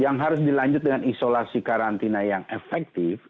yang harus dilanjut dengan isolasi karantina yang efektif